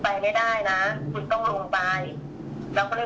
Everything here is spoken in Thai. ว่าคนปิดโรคอะไรปิดโรคอะไรขึ้นเครื่องไม่ได้อย่างนี้